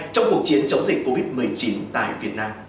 trong cuộc chiến chống dịch covid một mươi chín tại việt nam